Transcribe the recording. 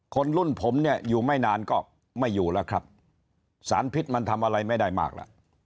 คนรุ่นผมเนี่ยอยู่ไม่นานก็ไม่อยู่แล้วครับสารพิษมันทำอะไรไม่ได้มากล่ะ